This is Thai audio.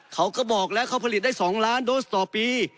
เขาก็บอกแล้วเขาผลิตได้๒ล้านโดสต่อปี